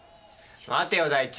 待てよ大地。